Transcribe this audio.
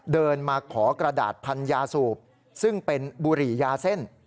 เดินมาขอกระดาษพันยาสูบซึ่งเป็นบุหรี่ยาเส้น